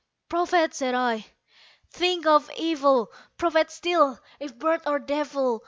"Prophet!" said I, "thing of evil! prophet still, if bird or devil!